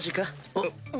あっ。